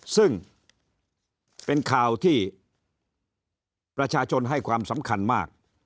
ซึ่งเป็นข่าวที่ประชาชนให้ความสำคัญมาก